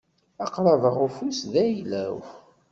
Aqrab-a ufus d ayla-w.